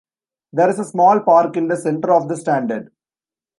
There is a small park in the centre of the Standard.